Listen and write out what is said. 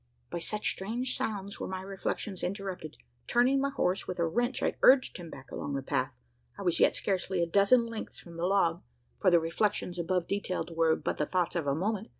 By such strange sounds were my reflections interrupted. Turning my horse with a wrench, I urged him back along the path. I was yet scarcely a dozen lengths from the log for the reflections above detailed were but the thoughts of a moment.